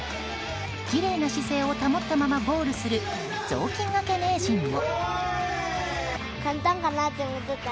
きれいな姿勢を保ったままゴールする雑巾がけ名人も。